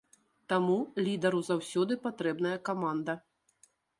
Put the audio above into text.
Таму лідару заўсёды патрэбная каманда.